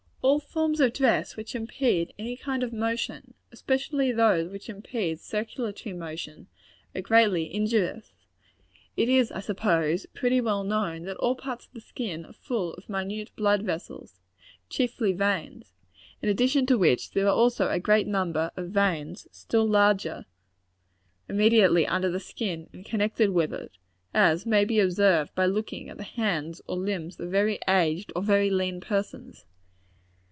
All forms of dress which impede any kind of motion, especially those which impede circulatory motion, are greatly injurious. It is, I suppose, pretty well known, that all parts of the skin are full of minute blood vessels, chiefly veins; in addition to which, there are also a great number of veins still larger, immediately under the skin, and connected with it, as may be observed by looking at the hands or limbs of very aged or very lean persons.